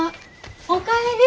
おかえり。